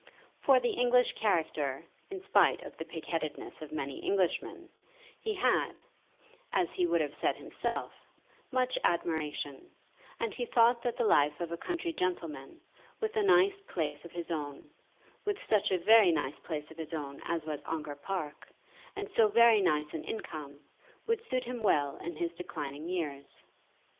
For the English character, in spite of the pigheadedness of many Englishmen, he had, as he would have said himself, much admiration, and he thought that the life of a country gentleman, with a nice place of his own, with such a very nice place of his own as was Ongar Park, and so very nice an income, would suit him well in his declining years.